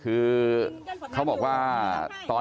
เพื่อนบ้านเจ้าหน้าที่อำรวจกู้ภัย